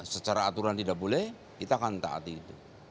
secara aturan tidak boleh kita akan taati itu